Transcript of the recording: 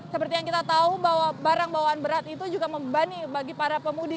seperti yang kita tahu bahwa barang bawaan berat itu juga membebani bagi para pemudik